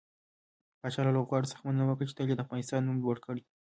پاچا له لوبغاړو څخه مننه وکړه چې تل يې د افغانستان نوم لوړ کړى.